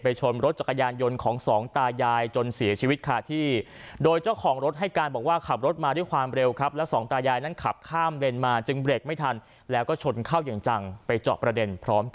ไปชนรถจักรยายนยนค์ของศืนหญิง